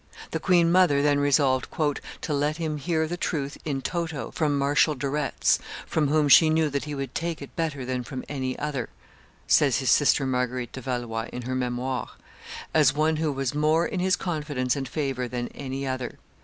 The queen mother then resolved "to let him hear the truth in toto from Marshal de Retz, from whom she knew that he would take it better than from any other," says his sister Marguerite de Valois in her Memoires, "as one who was more in his confidence and favor than any other.